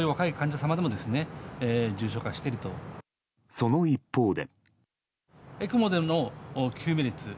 その一方で。